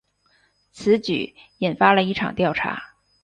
此举引发了一场调查。